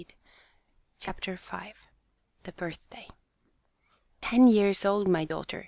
CHAPTER V. THE BIRTHDAY "TEN years old, my daughter.